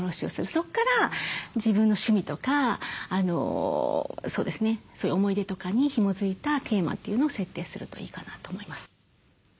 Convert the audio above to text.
そこから自分の趣味とかそうですねそういう思い出とかにひもづいたテーマというのを設定するといいかなと思います。